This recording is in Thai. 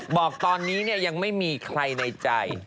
บอกตอนนี้ยังไม่มีใครในใจ